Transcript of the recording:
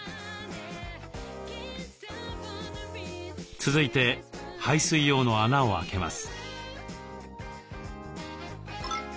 続いて排水用の穴を開けます。